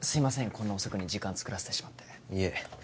こんな遅くに時間つくらせてしまっていえ